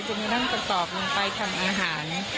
จนกระทั่งประกอบลงไปทำอาหาร